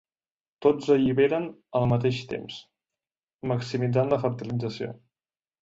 Tots alliberen al mateix temps, maximitzant la fertilització.